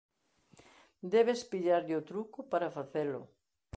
Debes pillarlle o truco para facelo.